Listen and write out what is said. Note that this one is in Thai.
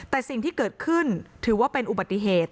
แต่สิ่งที่เกิดขึ้นถือว่าเป็นอุบัติเหตุ